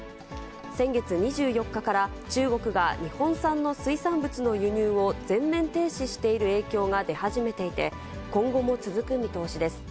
先月２４日から、中国が日本産の水産物の輸入を全面停止している影響が出始めていて、今後も続く見通しです。